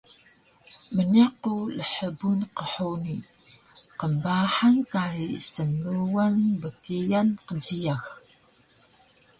Mniq ku lhbun qhuni qmbahang kari snluan bkian kjiyax